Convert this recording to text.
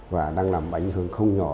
và đang làm ảnh hưởng không nhỏ